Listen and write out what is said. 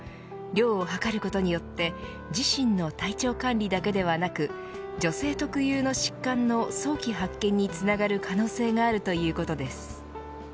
今までデータを取ることが難しかった生理の経血量の量を測ることによって自身の体調管理だけではなく女性特有の疾患の早期発見につながる可能性があるということです。